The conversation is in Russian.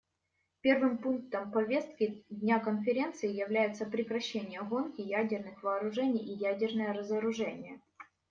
Первым пунктом повестки дня Конференции является прекращение гонки ядерных вооружений и ядерное разоружение.